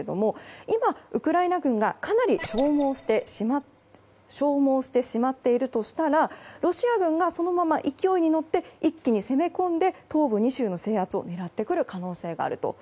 今、ウクライナ軍が、かなり消耗してしまっているとしたらロシア軍がそのまま勢いに乗って一気に攻め込んで東部２州の制圧を狙ってくる可能性があると。